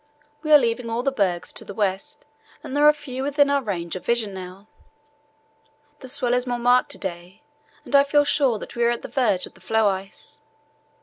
We are leaving all the bergs to the west and there are few within our range of vision now. The swell is more marked to day, and I feel sure we are at the verge of the floe ice.